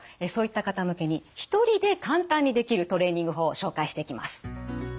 そういった方向けに一人で簡単にできるトレーニング法を紹介していきます。